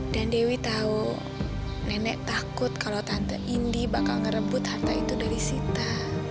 dewi tahu nenek takut kalau tante indi bakal ngerebut harta itu dari sita